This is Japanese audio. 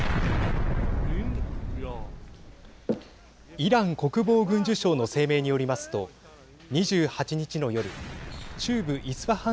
イラン国防軍需省の声明によりますと２８日の夜中部イスファハン